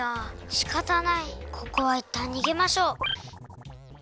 しかたないここはいったんにげましょう。